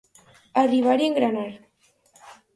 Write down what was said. Arribar i engranar.